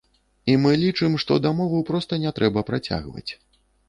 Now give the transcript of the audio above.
І мы лічым, што дамову проста не трэба працягваць.